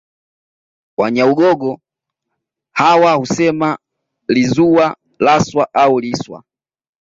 Wanyaugogo hawa husema lizuwa laswa au liswa